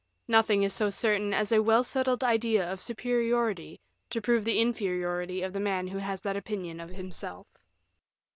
Nothing is so certain as a well settled idea of superiority to prove the inferiority of the man who has that opinion of himself.